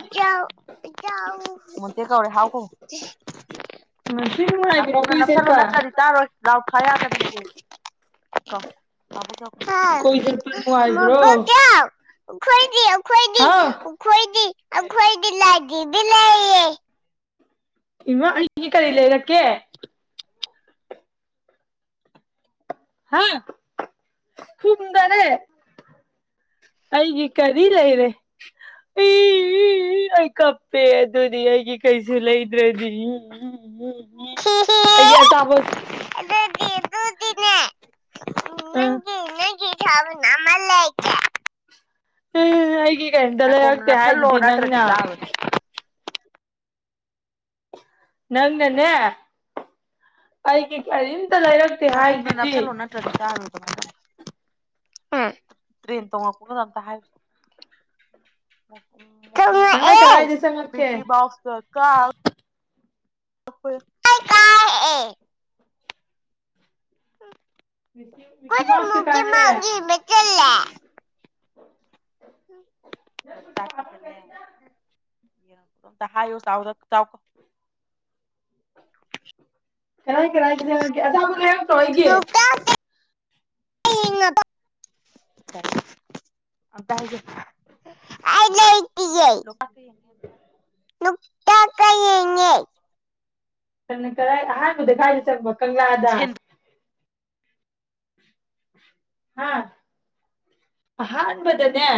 ꯏꯆꯥꯎ ꯏꯆꯥꯎ ꯃꯣꯟꯇꯦꯛ ꯀꯧꯔꯦ ꯍꯥꯎ ꯈꯨꯝꯃꯣ ꯉꯁꯤ ꯅꯨꯡꯉꯥꯏꯕ꯭ꯔꯣ ꯅꯥꯀꯣꯡꯗ ꯀꯣꯏ ꯅꯞꯁꯜꯂꯨ ꯆꯠꯄ ꯅꯠꯇ꯭ꯔꯗꯤ ꯇꯥꯔꯣꯏ ꯂꯥꯎꯗ ꯊꯥ ꯌꯥꯗꯕꯅꯦ ꯁꯦ ꯈꯪ__ ꯃꯥꯕꯣꯛ ꯀꯣꯏ ꯆꯠꯄ ꯅꯨꯡꯉꯥꯏꯕ꯭ꯔꯣ ꯃꯥꯕꯣꯛꯆꯥꯎ ꯑꯈꯣꯏꯗꯤ ꯑꯈꯣꯏꯗꯤ ꯍꯥꯎ ꯑꯈꯣꯏꯗꯤ ꯑꯈꯣꯏꯗꯤ ꯂꯥꯏꯗꯤꯕꯤ ꯂꯩꯌꯦ ꯏꯃꯥ ꯑꯩꯒꯤꯗꯤ ꯀꯔꯤ ꯂꯩꯔꯛꯀꯦ ꯍꯥ ꯈꯨꯝꯗꯔꯦ ꯑꯩꯒꯤ ꯀꯔꯤ ꯂꯩꯔꯦ [unintelligible] ꯑꯩ ꯀꯞꯄꯦ ꯑꯗꯨꯗꯤ ꯑꯩꯒꯤ ꯀꯩꯁꯨ ꯂꯩꯗ꯭ꯔꯗꯤ [unintelligible] ꯑꯩꯒꯤ ꯑꯆꯥꯄꯣꯠ ꯑꯗꯨꯗꯤ [unintelligible] ꯎꯝ ꯑꯩꯒꯤ ꯁꯥꯟꯅꯄꯣꯠ ꯑꯃ ꯂꯩꯒꯦ [unintelligible] ꯑꯩꯒꯤ ꯀꯦꯝꯇ ꯅꯥꯀꯣꯡꯗ ꯂꯩꯔꯛꯇꯦ ꯅꯞꯁꯜꯂꯣ ꯍꯥꯏꯗꯨꯗꯤ ꯅꯠꯇ꯭ꯔꯗꯤ ꯅꯪꯅ ꯇꯥꯔꯣꯏ ꯅꯪꯅ ꯅꯦ [inaudible] ꯑꯩꯒꯤ ꯀꯔꯤꯝꯇ ꯂꯩꯔꯛꯇꯦ ꯅꯥꯀꯣꯡꯗ ꯍꯥꯏꯗꯨꯗꯤ ꯅꯞꯁꯜꯂꯣ ꯅꯠꯇ꯭ꯔꯗꯤ ꯇꯥꯔꯣꯏꯕ ꯃꯤꯗꯤꯀꯣ [unintelligible] ꯍꯨꯝ ꯇ꯭ꯔꯦꯟ ꯇꯣꯡꯉꯛꯄꯒꯗꯣ ꯑꯝꯇꯥ ꯍꯥꯏꯒꯣꯁꯦ [inaudible] ꯀꯔꯥꯏ ꯇꯣꯡꯉꯛꯑꯦ ꯀꯔꯥꯏꯗ ꯆꯪꯉꯛꯀꯦ ꯃꯤꯀꯤ ꯃꯥꯎꯁꯀ ꯀꯥ [unintelligible] ꯑꯩꯈꯣꯏꯌ ꯃꯤꯀꯤ ꯃꯤꯀꯤ ꯃꯥꯎꯁꯇ ꯈꯨꯗꯤꯃꯨꯛꯀꯤ ꯀꯩ ꯀꯥꯁꯦ ꯃꯥꯛ ꯏꯕ ꯆꯜꯂꯦ [inaudible] [unintelligible] ꯂꯣꯛꯇꯛ ꯁꯤꯗꯅꯦ ꯑꯝꯇ ꯍꯥꯏꯋꯣ ꯆꯥꯎꯗ ꯆꯥꯎ ꯀꯔꯥꯏ ꯀꯔꯥꯏꯗ ꯆꯪꯉꯛꯀꯦ ꯑꯆꯥꯄꯣꯠ ꯂꯩꯔꯛ ꯂꯣꯛꯇꯥꯛꯇ [unintelligible] [unintelligible] ꯑꯝꯇ ꯍꯥꯏꯌꯨꯁꯦ ꯑꯩ ꯂꯩꯇꯤꯌꯦ ꯂꯣꯛꯇꯥꯛ ꯀꯤ ꯅꯨꯞꯇꯥꯛꯀ ꯌꯦꯡꯉꯦ ꯀꯅꯥ ꯀꯔꯥꯏ ꯑꯍꯥꯟꯕꯗ ꯀꯥꯏꯗ ꯆꯪꯕ ꯀꯪꯂꯥꯗ [inaudible] [inaudible] ꯁꯦꯟꯗ꯭ꯔꯥꯗꯩ ꯍꯥꯥ [inaudible] [inaudible] ꯑꯍꯥꯟꯕꯗꯅꯦ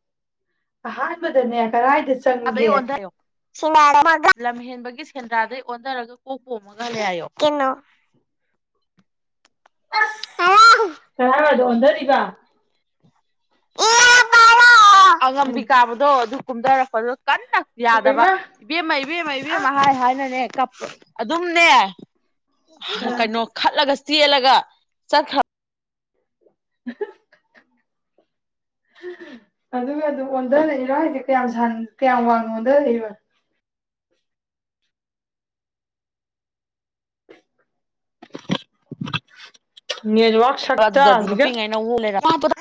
[inaudible] ꯑꯍꯥꯟꯕꯗꯅꯦ ꯀꯔꯥꯏꯗ ꯆꯪ ꯑꯥꯗ ꯌꯣꯟꯗꯥꯏ [unintelligible] [unintelligible] ꯂꯝꯍꯦꯟꯕꯒꯤ ꯁꯦꯟꯗ꯭ꯔꯥꯗꯩ ꯑꯣꯟꯗꯔꯒ ꯀꯣꯛ ꯄꯣꯝꯃꯒ ꯍꯜꯂꯛꯑꯦ ꯍꯥꯏꯌꯣ ꯀꯩꯅꯣ ꯍꯔꯥꯎ ꯀꯔꯥꯏ ꯋꯥꯏꯗ ꯑꯣꯟꯗꯔꯤꯕ ꯑꯉꯝꯕꯤ ꯀꯥꯕꯗꯣ ꯑꯗꯨ ꯀꯨꯝꯗꯔꯛꯄꯨꯗ ꯀꯟꯅ ꯌꯥꯗꯕ ꯑꯣꯏꯃ ꯏꯕꯦꯝꯃ ꯏꯕꯦꯝꯃ ꯏꯕꯦꯝꯃ ꯍꯥꯏ ꯍꯥꯏꯅꯅꯦ ꯀꯞꯄ ꯑꯗꯨꯝꯅꯦ ꯑ [unintelligible] ꯀꯩꯅꯣ ꯈꯠꯂꯒ ꯆꯦꯜꯂꯒ ꯆꯠꯈ꯭ꯔꯕ [inaudible] [unintelligible] ꯑꯗꯨꯒ ꯑꯗꯨꯝ ꯑꯣꯟꯗꯔꯛꯏꯔꯣ ꯍꯥꯏꯁꯦ ꯀꯌꯥꯝ ꯁꯥꯟ ꯀꯌꯥꯝ ꯋꯥꯡꯅ ꯑꯣꯟꯗꯔꯛꯏꯕ [unintelligible] ꯅꯦꯠꯋꯥ꯭ꯔꯛ [unintelligible] ꯑꯗꯨꯗꯗꯤ ꯅꯨꯄꯤꯉꯩꯅ ꯋꯣꯛ ꯂꯩꯔꯝꯃꯦ [inaudible]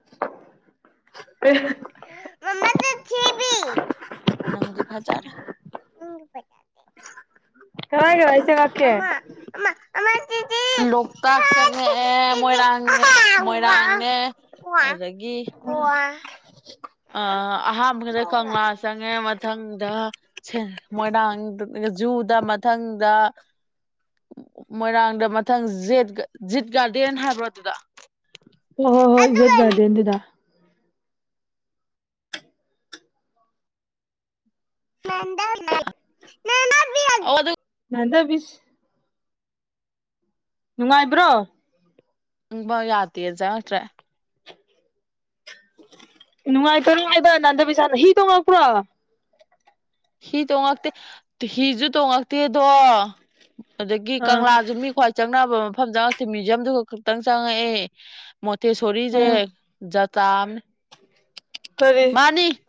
[unintelligible] ꯀꯩ ꯃꯥꯃꯥ ꯁꯛꯊꯤꯕꯤ ꯅꯪꯗꯤ ꯐꯖꯥꯔꯦ [unintelligible] ꯃꯃꯥ ꯃꯥ ꯑꯃꯥ ꯁꯤꯖꯤ ꯂꯣꯛꯇꯥꯛ ꯆꯪꯉꯛꯑ ꯃꯣꯏꯔꯥꯡ [unintelligible] ꯃꯣꯏꯔꯥꯡꯅꯦ [unintelligible] ꯑꯗꯥꯒꯤ [unintelligible] ꯑ ꯑꯍꯟꯕꯒꯤꯗꯥ ꯀꯪꯂꯥ ꯆꯪꯉꯛꯑꯦ ꯃ ꯃꯊꯪꯗ ꯁꯦꯟ ꯃꯣꯏꯔꯥꯡ [unintelligible] ꯖꯨꯗ ꯃꯊꯪꯗ ꯃꯣꯏꯔꯥꯡꯗ ꯃꯊꯪ ꯖꯦꯠ ꯖꯤꯠ ꯒꯥꯔꯗꯦꯟ ꯍꯥꯏꯕ꯭ꯔꯣ ꯑꯗꯨꯗꯣ ꯍꯣꯏ ꯍꯣꯏ ꯍꯣꯏ ꯖꯦꯠ ꯒꯥꯔꯗꯦꯟꯗꯨꯗ [unintelligible] ꯑꯣ ꯑꯗꯨ ꯅꯥꯟꯗꯕꯤꯁ ꯅꯨꯡꯉꯥꯏꯕ꯭ꯔꯣ ꯇꯨꯝꯕꯥ ꯌꯥꯗꯦꯅ ꯆꯪꯉꯛꯇꯔꯦ ꯅꯨꯡꯉꯥꯏꯇꯔꯣ ꯍꯥꯏꯕꯥ ꯅꯟꯗꯕꯤ ꯁꯥꯟꯅꯥ ꯍꯤ ꯇꯣꯡꯉꯛꯄ꯭ꯔꯣ ꯍꯤ ꯇꯣꯡꯉꯛꯇꯦ ꯍꯤꯁꯨ ꯇꯣꯡꯉꯛꯇꯦꯗꯣ [inaudible] ꯑꯗꯒꯤ ꯑꯥ ꯀꯪꯂꯁꯨ ꯃꯤ ꯈ꯭ꯋꯥꯏ ꯆꯪꯅꯕ ꯃꯐꯝ ꯆꯪꯉꯛꯇꯦ ꯃ꯭ꯌꯨꯖꯝ ꯗꯨ ꯈꯛꯇꯪ ꯆꯪꯉꯛꯑꯦ ꯃꯣꯇꯦꯁꯣꯔꯤꯁꯦ ꯎꯝ ꯖꯇꯥ ꯑꯝꯅꯤ ꯀꯔꯤ ꯃꯥꯅꯤ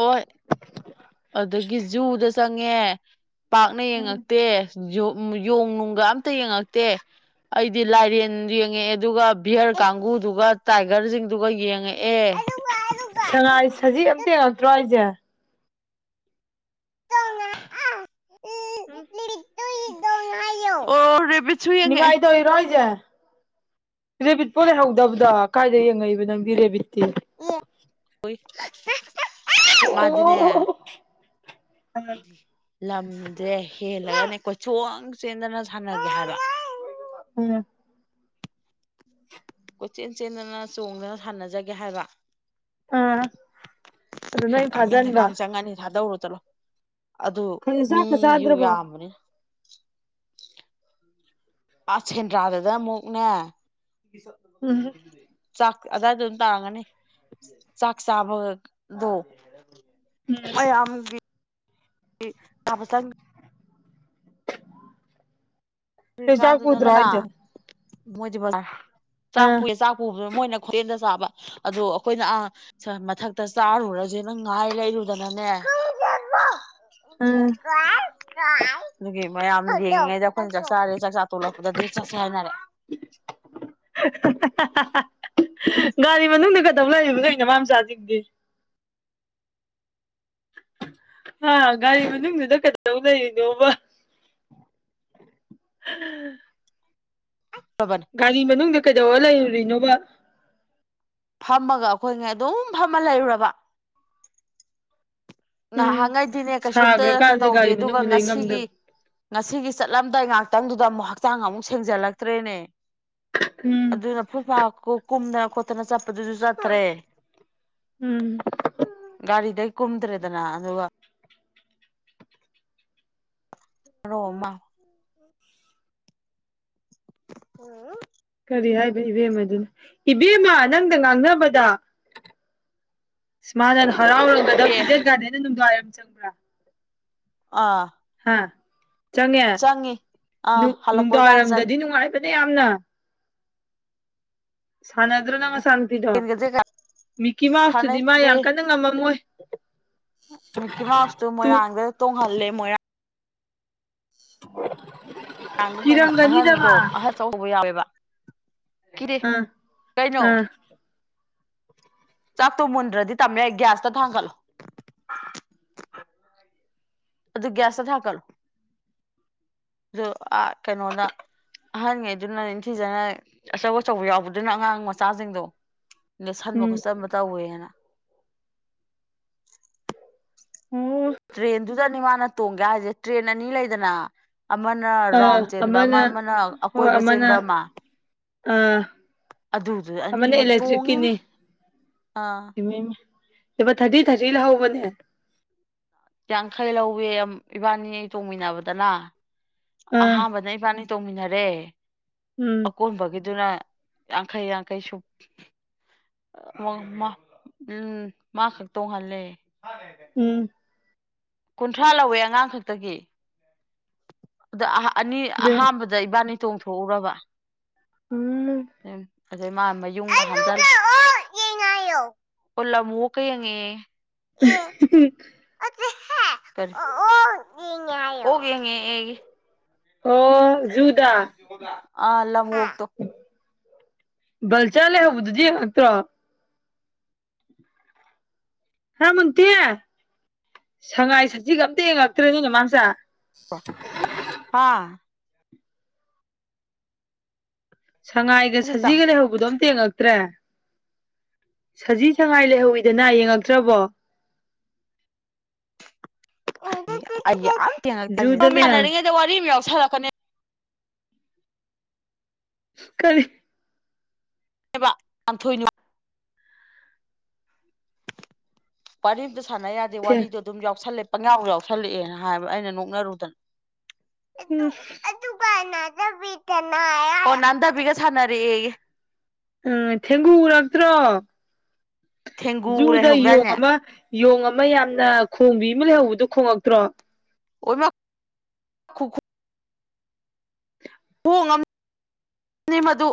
ꯑꯣꯏ ꯑꯗꯨꯒꯤ ꯖꯨꯗ ꯆꯪꯉꯦ ꯄꯥꯛꯅ ꯎꯝ ꯌꯦꯡꯉꯛꯇꯦ ꯌꯣ ꯌꯣꯡ ꯅꯨꯡꯒ ꯑꯝꯇ ꯌꯦꯡꯉꯛꯇꯦ ꯑꯩꯗꯤ ꯂꯥꯏꯔꯦꯟ ꯌꯦꯡꯉꯛꯑꯦ ꯑꯗꯨꯒ ꯚꯤꯌꯔ ꯀꯥꯡꯒꯨꯗꯨꯒ ꯇꯥꯏꯒꯔꯁꯤꯡ ꯗꯨꯒ ꯌꯦꯡꯉꯛꯑꯦ [inaudible] ꯁꯉꯥꯏ ꯁꯖꯤ ꯑꯝꯇ ꯌꯧꯇ꯭ꯔꯣ ꯍꯥꯏꯖꯦ ꯑꯨꯝ [unintelligible] ꯍꯥꯏꯌꯣ ꯑꯣ ꯔꯦꯕꯤꯠ ꯅꯤꯡꯉꯥꯏ ꯇꯧꯔꯤꯔꯣ ꯍꯥꯏꯖꯦ? ꯔꯦꯕꯤꯠꯄꯣ ꯂꯩꯍꯧꯗꯕꯗꯣ ꯀꯥꯏꯗꯩ ꯌꯦꯡꯉꯛꯏꯕ ꯅꯪꯗꯤ ꯔꯦꯕꯤꯠꯇꯤ? [unintelligible] ꯑꯣ ꯑꯣ ꯑꯣ [unintelligible] ꯀꯗꯤ ꯂꯝꯖꯦ ꯍꯦꯜꯂꯒꯅꯦ ꯀꯣꯏꯆꯣꯡ ꯆꯦꯟꯗꯅ [unintelligible] ꯁꯥꯟꯅꯒꯦ ꯍꯥꯏꯕ [unintelligible] ꯀꯣꯏꯆꯦꯟ ꯆꯦꯟꯗꯅ ꯆꯣꯡꯗꯅ ꯁꯥꯟꯅꯖꯒꯦ ꯍꯥꯏꯕ? ꯑꯥ꯫ ꯑꯗꯨ ꯁꯦ ꯅꯣꯏ ꯀꯥꯡꯒꯟꯁꯦ ꯐꯥꯖꯟꯕ ꯀꯥꯡ ꯆꯪꯉꯅꯤ ꯊꯥꯗꯧꯔꯣ ꯆꯠꯂꯣ ꯑꯗꯨ ꯑꯩꯈꯣꯏ ꯆꯥꯛꯀ ꯃꯤꯁꯨ ꯆꯥꯗ꯭ꯔꯕꯣ ꯌꯥꯝꯕꯅꯤ ꯑꯥ ꯁꯦꯟꯗ꯭ꯔꯥꯗꯗꯥ ꯑꯃꯨꯛꯅꯦ ꯎꯝ [unintelligible] ꯆꯥꯛ ꯑꯗꯥꯏꯗ ꯑꯗꯨꯝ ꯇꯥꯔꯝꯒꯅꯤ ꯆꯥꯛ ꯆꯥꯕ ꯒꯥ ꯗꯣ ꯃꯌꯥꯝꯒꯤ [unintelligible] ꯆꯥꯕꯥ ꯆꯪ ꯍꯦꯟꯖꯥꯡ ꯄꯨꯗ꯭ꯔꯣ ꯆꯪꯈ꯭ꯔꯤꯀꯥꯟꯗꯨꯗꯅ ꯍꯥꯏꯖꯦ? ꯃꯣꯏꯗꯤ ꯕꯖꯥꯔ ꯆꯥꯛ ꯑꯥ ꯄꯨꯏꯌꯦ ꯆꯥꯛ ꯄꯨꯕꯗꯨ ꯃꯣꯏꯅ ꯍꯦꯇꯦꯟꯗ ꯆꯥꯕ ꯑꯗꯨ ꯑꯈꯣꯏꯅ ꯑꯥ ꯆꯥ ꯃꯊꯛꯇ ꯆꯥꯔꯨꯔꯖꯦꯅ ꯉꯥꯏ ꯂꯩꯔꯨꯗꯅꯅꯦ ꯑꯥ [unintelligible] [unintelligible] ꯑꯗꯨꯒꯤ ꯃꯌꯥꯝ ꯌꯦꯡꯉꯤꯉꯦꯗ ꯑꯈꯣꯏꯅ ꯆꯥꯛ ꯆꯥꯔꯦ ꯆꯥꯛꯆꯥ ꯇꯣꯂꯛꯄꯗꯗꯤ ꯆꯠꯁꯦ ꯍꯥꯏꯅꯔꯦ [unintelligible] ꯒꯥꯔꯤ ꯃꯅꯨꯡꯗ ꯀꯩꯗꯧ ꯂꯩꯔꯤꯕ ꯅꯣꯏ ꯅꯃꯥꯝꯆꯥꯁꯤꯡꯗꯤ? ꯍꯥ ꯒꯥꯔꯤ ꯃꯅꯨꯡꯗꯨꯗ ꯀꯗꯧ ꯂꯩꯔꯤꯅꯣꯕ? [unintelligible] [unintelligible] ꯇꯕꯅꯦ ꯒꯥꯔꯤ ꯃꯅꯨꯡꯗ ꯀꯩꯗꯧꯔ ꯂꯩꯔꯨꯔꯤꯅꯣꯕ? ꯐꯝꯃꯒ ꯑꯈꯣꯏ ꯉꯩ ꯑꯗꯨꯝ ꯐꯝꯃ ꯂꯩꯔꯨꯔꯕ꯫ ꯎꯝ ꯅꯍꯥꯟꯉꯩꯗꯤꯅꯦ ꯀꯩꯁꯨꯝꯇꯥꯀꯥ ꯁꯥꯈ꯭ꯔꯀꯥꯟꯁꯤꯗ ꯇꯧꯗꯦ ꯒꯥꯔꯤ ꯑꯗꯨꯒ ꯃꯅꯨꯡꯗ ꯂꯩ ꯉꯁꯤꯒꯤ ꯉꯝꯗꯕ ꯉꯁꯤꯒꯤ ꯆꯠꯂꯝꯗꯥꯏ ꯉꯥꯛꯇꯪꯗꯨꯗ ꯑꯃꯨꯛ ꯍꯛꯆꯥꯡ ꯑꯃꯨꯛ ꯁꯦꯡꯖꯜꯂꯛꯇ꯭ꯔꯦꯅꯦ ꯎꯝ ꯑꯗꯨꯅ ꯐꯨꯠ ꯐꯥ ꯀꯨꯛ ꯀꯨꯝꯗꯅ ꯈꯣꯠꯇꯅ ꯆꯠꯄꯗꯨꯁꯨ ꯆꯠꯇ꯭ꯔꯦ ꯎꯝ ꯒꯥꯔꯤꯗꯩ ꯀꯨꯝꯗ꯭ꯔꯦꯗꯅ ꯑꯗꯨꯒ ꯃꯔꯣ ꯑꯃ [unintelligible] ꯀꯔꯤ ꯍꯥꯏꯕ ꯏꯕꯦꯝꯃꯗꯨꯅ ꯏꯕꯦꯝꯃ ꯅꯪꯗ ꯉꯥꯡꯅꯕꯗ [unintelligible] ꯃꯅꯥ ꯍꯔꯥꯎꯔꯝꯒꯗꯧ ꯀꯦ ꯏꯤꯗꯦꯟ ꯒꯥꯔꯗꯦꯟꯗ ꯅꯨꯡꯗꯥꯡ ꯋꯥꯏꯔꯝ ꯆꯪꯕ꯭ꯔꯥ? ꯑꯥ꯫ ꯍꯥ ꯆꯪꯉꯦ ꯆꯪꯉꯤ ꯑꯥ ꯅꯨꯡ ꯍꯜꯂꯛꯄꯩ ꯅꯨꯡꯗꯥꯡ ꯀꯥꯟꯗ ꯋꯥꯏꯔꯝꯗꯗꯤ ꯅꯨꯡꯉꯥꯏꯕꯅꯦ ꯌꯥꯝꯅ ꯁꯟꯅꯥꯗ꯭ꯔꯣ ꯅꯪ ꯅꯆꯥ ꯅꯨꯄꯤꯗꯣ? ꯆꯪꯉꯤ ꯃꯤꯀꯤ ꯃꯥꯎꯁꯇꯨꯗꯤ ꯃꯥ ꯌꯥꯝ ꯀꯟꯅꯥ ꯉꯝꯃꯝꯃꯣꯏ ꯃꯤꯀꯤ ꯃꯥꯎꯁꯇꯣ ꯇꯨ ꯃꯣꯏꯔꯥꯡꯗꯩ ꯇꯣꯡ ꯍꯜꯂꯦ ꯃꯣꯏꯔꯥꯡ [unintelligible] ꯀꯥꯥꯡꯗ ꯇꯣꯡꯍꯟ ꯀꯤꯔꯝꯒꯅꯤꯗ ꯃꯥ ꯑꯍꯟꯒꯤꯗꯣ ꯑꯍꯟ ꯆꯧ ꯆꯧꯕ ꯌꯥꯎꯋꯦꯕ ꯀꯤꯗꯦ ꯑꯥ ꯀꯩꯅꯣ? ꯑꯥ ꯆꯥꯛꯇꯣ ꯃꯨꯟꯗ꯭ꯔꯗꯤ ꯇꯝꯃꯣꯌꯥꯏ ꯒ꯭ꯌꯥꯁꯇ ꯊꯥꯡꯒꯠꯂꯣ ꯑꯗꯨ ꯒ꯭ꯌꯥꯁꯇ ꯊꯥꯛꯀꯠꯂꯣ ꯑꯗꯨ ꯑꯥ ꯀꯩꯅꯣꯅ ꯑꯍꯟꯉꯩꯗꯨꯅ ꯅꯤꯡꯊꯤꯖꯅ ꯑꯆꯧ ꯑꯆꯧꯕ ꯌꯥꯎꯕꯗꯨꯅ ꯑꯉꯥꯡ ꯃꯆꯥꯁꯤꯡꯗꯣ ꯅꯦꯠꯁꯟꯕ ꯎꯝ ꯈꯣꯠꯆꯟꯕ ꯇꯧꯋꯦꯅ [unintelligible] ꯇ꯭ꯔꯦꯟꯗꯨꯗꯅꯤ ꯃꯥꯅ ꯇꯣꯡꯒꯦ ꯍꯥꯏꯁꯦ ꯇ꯭ꯔꯦꯟ ꯑꯅꯤ ꯂꯩꯗꯅ? ꯑꯃꯅ ꯔꯥꯎꯟ ꯆꯦꯟꯕ ꯑꯃ ꯑꯃꯅ ꯍꯣꯏ ꯑꯀꯣꯏꯕ ꯑꯃꯅ ꯆꯦꯟꯕ ꯑꯃ? ꯑꯥ꯫ ꯑꯗꯨꯗꯨ ꯑꯃꯅꯥ ꯑꯅꯤꯃꯛ ꯇꯣꯡꯉꯤꯃꯤ ꯏꯂꯦꯛꯇ꯭ꯔꯤꯛꯀꯤꯅꯤ꯫ ꯑꯥ ꯂꯨꯄꯥ ꯊꯥꯔꯇꯤ ꯊꯥꯔꯇꯤ ꯂꯍꯧꯕꯅꯦ꯫ ꯌꯥꯡꯈꯩ ꯂꯧꯋꯤ ꯏꯕꯥꯅꯤ ꯑꯩ ꯇꯣꯡꯃꯤꯟꯅꯕꯗꯅ ꯑꯥ ꯑꯍꯥꯥꯟꯕꯅ ꯏꯕꯥꯅꯤ ꯇꯧꯃꯤꯟꯅꯔꯦ꯫ ꯎꯝ꯫ ꯀꯣꯟꯕꯒꯤꯗꯨꯅ ꯌꯥꯡꯈꯩ ꯌꯥꯡꯈꯩ ꯁꯨ ꯎꯝ ꯃꯥ ꯈꯛ ꯇꯣꯡꯍꯜꯂꯦ꯫ ꯎꯝ꯫ ꯀꯨꯟꯊ꯭ꯔꯥ ꯂꯧꯋꯦ ꯑꯉꯥꯡ ꯈꯛꯇꯒꯤ꯫ ꯑꯗ ꯑꯅꯤ ꯗ ꯑꯍꯥꯥꯟꯕꯗ ꯏꯕꯥꯅꯤ ꯇꯣꯡꯊꯣꯛꯎꯔꯕ ꯎꯝ ꯎꯝ꯫ ꯑꯗꯩ ꯃꯥ ꯃꯌꯨꯝꯂꯝꯃꯨꯀ ꯌꯦꯡꯉꯛꯑꯣ ꯀꯨꯜ ꯑꯃꯨꯛꯀ ꯌꯦꯡꯉꯛꯑꯦ꯫ ꯑꯦ [unintelligible] ꯑꯗꯨꯍꯦ ꯌꯦꯡꯉꯦ ꯍꯥꯏꯌꯣ ꯑꯣꯛ ꯌꯦꯡꯉꯥꯛꯑꯦꯌꯦ꯫ ꯑꯣ ꯖꯨꯗꯥ꯫ ꯑ ꯂꯝ ꯑꯣꯛꯇꯣ꯫ ꯕꯥꯜꯆꯔ ꯂꯩ ꯍꯧꯕꯗꯨꯗꯤ ꯌꯦꯡꯉꯛꯇ꯭ꯔꯣ꯫ ꯍꯥ ꯃꯨꯟꯇꯦ ꯁꯉꯥꯏ ꯁꯖꯤꯒ ꯑꯝꯇ ꯌꯦꯡꯉꯛꯇ꯭ꯔꯦ ꯅꯣꯏ ꯅꯃꯥꯝ ꯆꯥ꯫ ꯍꯥꯥ꯫ ꯁꯉꯥꯏꯒ ꯆꯦꯆꯥ ꯁꯖꯤꯒ ꯂꯩꯍꯧ ꯕꯨꯗꯣꯝ ꯑꯃꯇ ꯌꯦꯡꯉꯛꯇ꯭ꯔꯦ ꯁꯖꯤ ꯁꯉꯥꯏ ꯂꯩꯍꯧꯋꯤꯗꯅ ꯌꯦꯡꯉꯛꯇ꯭ꯔꯕꯣ꯫ ꯁꯣꯝ ꯃꯤ ꯖꯨꯗꯅꯦ ꯁꯥꯅꯔꯤꯉꯩꯗ ꯋꯥꯔꯤ ꯑꯃꯨꯛ ꯌꯥꯎꯁꯂꯛꯀꯅꯤ ꯀꯔꯤ ꯊꯣꯏ [inaudible] ꯋꯥꯔꯤ ꯑꯃꯇ ꯁꯥꯟꯅ ꯌꯥꯗꯦ ꯊꯦ ꯋꯥꯔꯤꯗꯨ ꯑꯗꯨꯝ ꯌꯥꯎꯁꯜꯂꯦ ꯄꯪꯌꯥꯥꯎ ꯌꯥꯎꯁꯜꯂꯛꯑꯦꯅ ꯍꯥꯏꯕ ꯑꯩꯅ ꯅꯣꯛꯅꯔꯨꯗꯅ꯫ ꯎꯝ꯫ ꯑꯗꯨꯒ ꯑꯣ ꯅꯥꯗꯕꯤꯒ ꯁꯅꯔꯛꯑꯦ꯫ ꯎꯝ ꯊꯦꯡꯒꯨ ꯎꯔꯛꯇ꯭ꯔꯣ ꯊꯦꯡꯒꯨ ꯖꯨꯗ ꯌꯣꯡ ꯂꯩꯍꯧꯗꯥꯏꯅꯦ ꯑꯃꯥ ꯌꯣꯡ ꯑꯃ ꯌꯥꯝꯅ ꯈꯣꯡꯕꯤ ꯑꯃ ꯂꯩꯍꯧꯕꯗꯣ ꯈꯣꯡꯉꯛꯇ꯭ꯔꯣ꯫ ꯑꯣꯏ ꯃꯥ꯫ ꯈꯨꯈꯣꯡ ꯑꯃꯅꯦ ꯃꯗꯨ꯫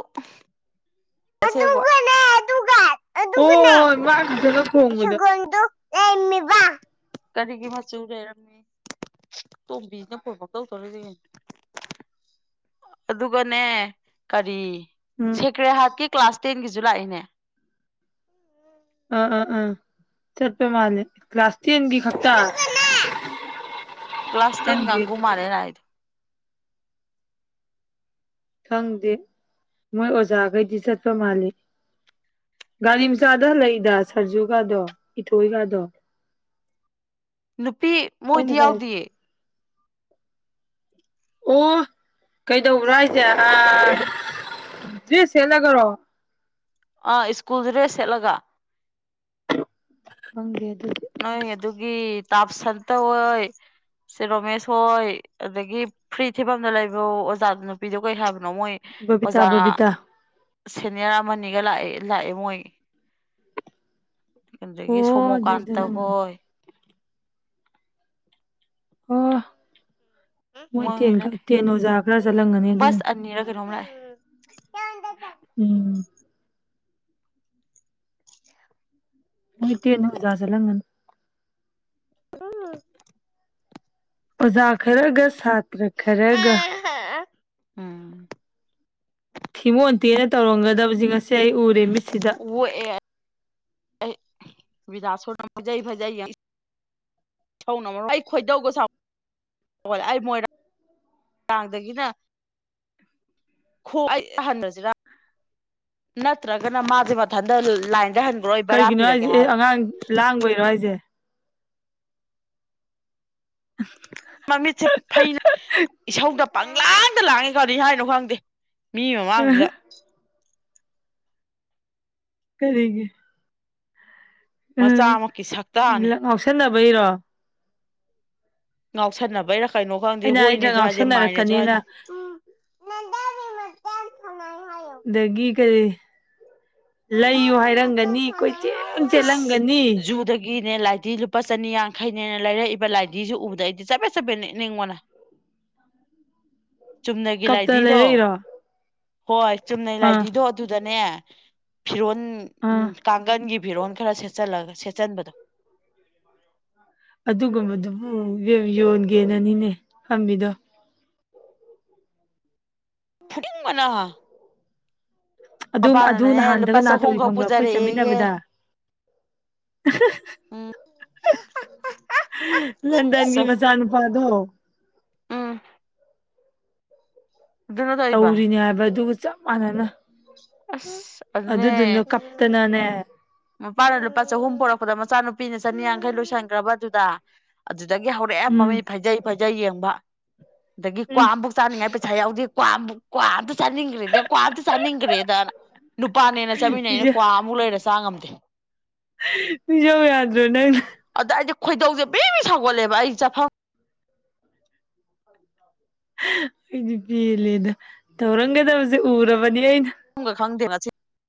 ꯑꯗꯨꯒꯅꯦ ꯑꯗꯨꯒꯥ ꯑꯥ ꯑꯣ [unintelligible] ꯁꯥꯒꯣꯜꯗꯨ ꯂꯩꯔꯝꯃꯤꯕ ꯀꯔꯤꯒꯤ ꯃꯆꯨ ꯂꯩꯔꯝꯃꯤ꯫ ꯇꯣꯝꯕꯤ ꯁꯤꯅꯥ ꯐꯣꯟ ꯄꯨꯡꯇꯧ ꯇꯧꯔꯩꯁꯤ ꯀꯩꯅꯣ꯫ ꯑꯗꯨꯒꯅꯦ ꯀꯔꯤ ꯎꯝ ꯁꯦꯀ꯭ꯔꯦꯍꯠꯀꯤ ꯀ꯭ꯂꯥꯁ ꯇꯦꯟꯒꯤꯁꯨ ꯂꯥꯛꯏꯅꯦ꯫ ꯑ ꯑꯥ ꯑꯥ ꯆꯠꯄꯥ ꯃꯥꯜꯂꯦ꯫ ꯀ꯭ꯂꯥꯁ ꯇꯦꯟꯒꯤ ꯈꯛꯇ [inaudible] ꯑꯗꯨꯒꯅꯦ ꯍꯔꯦ ꯔꯥꯏꯗꯨ꯫ ꯈꯪꯗꯦ ꯃꯣꯏ ꯑꯣꯖꯥꯈꯩꯗꯤ ꯆꯠꯄ ꯃꯥꯜꯂꯤ꯫꯫ ꯒꯥꯔꯤ ꯃꯆꯥꯗ ꯍꯜꯂꯥꯛꯏꯗ ꯁꯔꯖꯨꯒꯥꯗꯣ ꯏꯊꯣꯏꯒꯗꯣ꯫ ꯅꯨꯄꯤ ꯑꯩ ꯃꯣꯏꯗꯤ ꯉꯁꯥꯏ ꯌꯥꯎꯗꯤꯌꯦ꯫ ꯑꯣ ꯀꯩꯗꯧꯕ꯭ꯔꯥ ꯍꯥꯏꯁꯦ ꯗ꯭ꯔꯦꯁ ꯁꯦꯠꯂꯒꯔꯣ꯫ ꯑꯥ ꯁꯀꯨꯜ ꯗꯔꯦꯁ ꯁꯦꯠꯂꯒ꯫ ꯍꯪꯗꯦ ꯑꯗꯨꯗꯤ꯫ ꯅꯣꯏ ꯑꯗꯨꯒꯤ ꯇꯥꯕꯁꯟꯇ ꯍꯣꯏ꯫ ꯁꯔ ꯔꯣꯃꯦꯁ ꯍꯣꯏ ꯑꯗꯒꯤ ꯐ꯭ꯔꯤ ꯊꯤꯕꯝꯗ ꯂꯩꯕ ꯑꯣꯖꯥꯗꯨ ꯅꯨ ꯄꯤꯗꯝꯗꯣ ꯀꯩ ꯍꯥꯏꯕꯅꯣ ꯃꯣꯏ ꯕꯕꯤꯇꯥ ꯑꯣꯖꯥ ꯕꯕꯤꯇꯥ ꯁꯦꯅꯤꯌꯔ ꯑꯃꯅꯤꯒ ꯂꯥꯛꯑꯦ ꯂꯥꯛꯑꯦ ꯃꯣꯏ꯫ ꯑꯗꯨꯗꯒꯤ ꯑꯣ ꯑꯗꯨꯗꯤ ꯁꯣꯃꯣꯀꯥꯟꯇ ꯆꯠꯂꯝꯃꯅꯤ ꯍꯣꯏ꯫ ꯑꯣ ꯃꯣꯏ ꯇꯦꯟ ꯇꯦꯟ ꯑꯣꯖꯥ ꯈꯔ ꯆꯠꯂꯝꯒꯅꯤ ꯑꯗꯨꯅꯅꯤ꯫ ꯅꯤꯔ ꯀꯩꯅꯣ ꯂꯥꯛꯏ ꯎꯝ ꯃꯣꯏ ꯇꯦ ꯕꯖꯥꯔ ꯆꯠꯂꯝꯒꯅꯤ [unintelligible] ꯑꯣꯖꯥ ꯈꯔꯒ ꯁꯥꯇ꯭ꯔ ꯈꯔꯒ [unintelligible] ꯎꯝ ꯍꯤꯃꯣꯟꯇꯤꯅ ꯇꯧꯔꯝꯒꯗꯕꯁꯤ ꯉꯁꯤ ꯑꯩ ꯎꯔꯦ ꯃꯤꯠꯁꯤꯗ ꯑꯣꯛꯑꯦ ꯑꯩ ꯕꯤꯗꯥꯥꯁꯣꯔꯅ ꯐꯖꯩ ꯐꯖꯩ ꯑꯩ ꯈꯣꯏꯗꯧꯒ ꯁꯥꯎ ꯒꯠꯂꯦ ꯑꯩ ꯃꯣꯏꯔꯥꯡ ꯃꯣꯏꯔꯥꯡꯗꯒꯤꯅ ꯈꯣꯡ ꯍꯟꯈꯁꯤꯔ ꯅꯠꯇ꯭ꯔꯒꯅ ꯃꯥꯖꯦ ꯃꯊꯟꯇ ꯂꯥꯏꯟꯗ ꯍꯟ ꯀꯩꯒꯤꯅꯣ ꯍꯥꯏꯖꯦ ꯑꯦ ꯑꯉꯥꯡ ꯂꯥꯡꯕꯩꯔꯣ ꯍꯥꯏꯖꯦ ꯃꯃꯤꯠꯁꯦ ꯐꯩꯅ ꯏꯁꯧꯗ ꯄꯪꯂꯥꯟꯗ ꯂꯥꯡꯉꯤ ꯀꯔꯤ ꯍꯥꯏꯅꯣ ꯈꯪꯗꯦ ꯃꯤ ꯃꯤꯃꯥꯡꯗꯨꯗ ꯀꯔꯤꯒꯤ ꯃꯆꯥꯃꯛꯀꯤ ꯁꯛꯇꯥꯅꯦ ꯁꯟꯅꯕꯩꯔꯣ ꯉꯥꯎꯁꯟꯅꯕꯩꯔ ꯀꯩꯅꯣ ꯈꯪꯗꯦ ꯑꯩꯅ ꯑꯩꯗ ꯍꯣꯏꯅꯦꯖꯨ ꯍꯥꯏꯗꯦ ꯃꯥꯏꯅꯦꯖꯨ ꯉꯥꯎꯁꯟꯅꯔꯛꯀꯅꯤꯅ ꯍꯥꯏꯗꯦ ꯑꯗꯒꯤ ꯀꯔꯤ ꯂꯩꯌꯨ ꯍꯥꯏꯔꯝꯒꯅꯤ ꯀꯣꯏ ꯏꯁ ꯖꯨꯗꯒꯤꯅꯦ ꯂꯥꯏꯙꯤ ꯂꯨꯄꯥ ꯆꯅꯤ ꯌꯥꯡꯈꯩꯅꯦꯅ ꯂꯩꯔꯛꯏꯕ ꯂꯥꯏꯙꯤꯁꯨ ꯎꯕꯗ ꯑꯩꯗꯤ ꯆꯄꯦꯠ ꯆꯠꯄꯦꯠ ꯅꯦꯠꯅꯤꯡꯕꯅ ꯆꯨꯝꯅꯒꯤ ꯀꯞꯇꯅ ꯂꯥꯏꯙꯤꯗꯣ ꯂꯩꯔꯛꯏꯔꯣ ꯍꯣꯏ ꯆꯨꯝꯅꯩ ꯑꯥ ꯂꯥꯏꯗꯤꯗꯣ ꯑꯗꯨꯗꯅꯦ ꯐꯤꯔꯣꯟ ꯑꯥ ꯀꯥꯡꯒꯟꯒꯤ ꯐꯤꯔꯣꯟ ꯈꯔ ꯁꯦꯠꯆꯜꯂꯒ ꯁꯦꯠꯆꯟꯕꯗꯣ ꯑꯗꯨꯒꯨꯝꯕꯗꯨꯕꯨ ꯏꯕꯦꯝꯃ ꯌꯣꯟꯒꯦꯅꯅꯤꯅꯦ ꯐꯝꯃꯤꯗꯣ ꯐꯨꯅꯤꯡꯕꯅ ꯑꯗꯨꯝ ꯑꯗꯨ ꯃꯄꯥꯅꯅꯦ ꯂꯨꯄꯥ ꯅꯍꯥꯟꯗꯒ ꯅꯥ ꯆꯍꯨꯝ ꯇꯧꯔꯤ ꯈꯛ ꯈꯪꯕ꯭ꯔꯥ ꯑꯩꯈꯣꯏ ꯄꯨꯖꯔꯛꯑꯦꯌꯦ ꯆꯠꯃꯤꯟꯅꯕꯗ ꯎꯝ ꯂꯟꯗꯟꯒꯤ ꯃꯆꯥꯅꯨꯄꯥꯗꯣ ꯎꯝ ꯑꯗꯨꯅ ꯇꯧꯏꯕ ꯇꯧꯔꯤꯅꯦ ꯍꯥꯏꯕ ꯑꯗꯨꯒ ꯆꯞ ꯃꯥꯟꯅꯅ ꯑꯁ ꯑꯗꯨꯗꯨꯅ ꯑꯗꯨꯅꯦ ꯀꯞꯇꯅꯅꯦ ꯃꯄꯥꯅ ꯂꯨꯄꯥ ꯆꯍꯨꯝ ꯄꯣꯔꯛꯄꯗ ꯃꯆꯥꯅꯨꯄꯤꯅ ꯆꯅꯤ ꯌꯥꯡꯈꯩ ꯂꯣꯏꯁꯤꯟꯈ꯭ꯔꯕ ꯑꯗꯨꯗ ꯑꯗꯨꯗꯒꯤ ꯍꯧꯔꯛ ꯑꯦ ꯎꯝ ꯃꯃꯤꯠ ꯐꯩꯖꯩ ꯐꯩꯖꯩ ꯌꯦꯡꯕ ꯑꯗꯒꯤ ꯀ꯭ꯋꯥ ꯎꯝ ꯑꯃꯐꯥꯎ ꯆꯥꯅꯤꯡꯉꯥꯏ ꯄꯩꯥ ꯄꯩꯁꯥ ꯌꯥꯎꯗꯦ ꯀ꯭ꯋꯥ ꯀ꯭ꯋꯥ ꯑꯝꯇ ꯆꯠꯅꯤꯡꯈ꯭ꯔꯦꯗꯦ ꯀ꯭ꯋꯥ ꯑꯝꯇ ꯆꯥꯅꯤꯡꯈ꯭ꯔꯦꯗꯅ ꯅꯨꯄꯥꯅꯦꯅ ꯆꯠꯃꯤꯠꯅꯩꯅꯦ ꯄꯤꯖ ꯀ꯭ꯋꯥ ꯑꯃꯨꯛ ꯂꯩꯔ ꯆꯥ ꯉꯝꯗꯦ ꯄꯤꯖꯧ ꯌꯥꯗ꯭ꯔꯣ ꯅꯪ ꯑꯗ ꯑꯩꯗꯤ ꯈꯣꯏꯗꯧꯖꯦ ꯕ꯭ꯔꯤ ꯕ꯭ꯔꯤ ꯁꯧꯒꯠꯂꯦꯕ ꯑꯩ ꯆꯠꯐꯝ ꯑꯩꯗꯤ ꯄꯦꯜꯂꯦꯗ ꯇꯧꯔꯝꯒꯗꯕꯖꯦ ꯎꯔꯕꯅꯤ ꯑꯩꯅ ꯆꯠꯐꯝ ꯈꯪꯗꯦꯕ